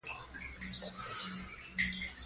دا کتاب په نصاب کې شامل شوی دی.